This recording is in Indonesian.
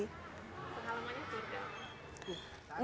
pengalamannya sudah apa